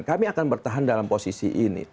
kami akan bertahan dalam posisi ini